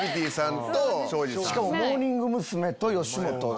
しかもモーニング娘。と吉本だ。